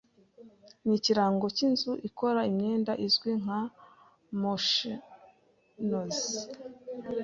nk’ikirango cy’inzu ikora imyenda izwi nka Moshions